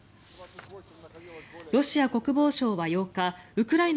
ロシア国防省は８日ウクライナ